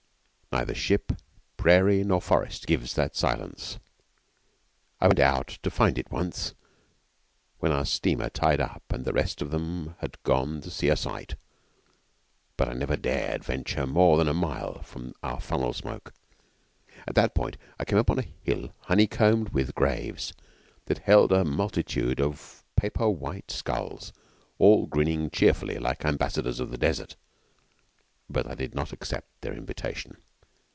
Neither ship, prairie, nor forest gives that silence. I went out to find it once, when our steamer tied up and the rest of them had gone to see a sight, but I never dared venture more than a mile from our funnel smoke. At that point I came upon a hill honey combed with graves that held a multitude of paper white skulls, all grinning cheerfully like ambassadors of the Desert. But I did not accept their invitation.